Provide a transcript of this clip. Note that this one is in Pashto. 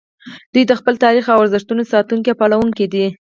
دوی د خپل تاریخ او ارزښتونو ساتونکي او پالونکي دي